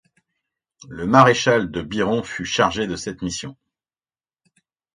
Le maréchal de Biron fut chargé de cette mission.